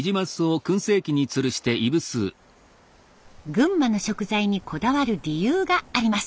群馬の食材にこだわる理由があります。